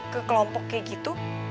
ke kelompok kayak gitu